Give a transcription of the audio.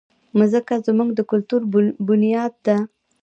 مځکه زموږ د کلتور بنیاد ده.